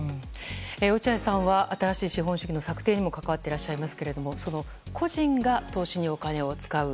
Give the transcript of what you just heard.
落合さんは新しい資本主義の策定にも関わっていらっしゃいますが個人が投資のお金を使う。